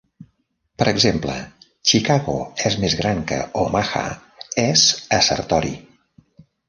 Per exemple, "Chicago és més gran que Omaha" és assertori.